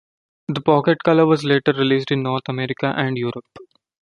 The Pocket Color was later released in North America and Europe.